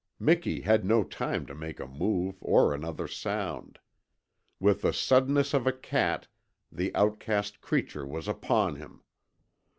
Miki had no time to make a move or another sound. With the suddenness of a cat the outcast creature was upon him.